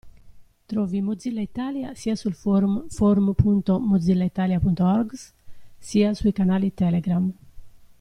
Trovi Mozilla Italia sia sul forum (forum.mozillaitalia.orgs) sia sui canali Telegram.